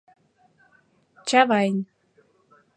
ЧАВАЙН